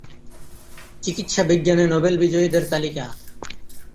চিকিৎসাবিজ্ঞানে Nobel বিজয়ীদের তালিকা